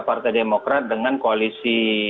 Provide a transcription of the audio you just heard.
partai demokrat dengan koalisi